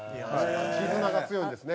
絆が強いんですね。